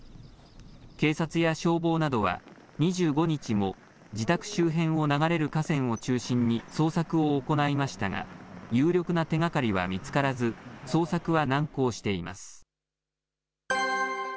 警察や消防などは、２５日も自宅周辺を流れる河川を中心に捜索を行いましたが、有力な手がかりは見つからず、捜索は難航しています。